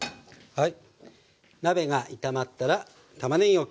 はい。